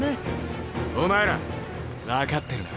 お前ら分かってるな？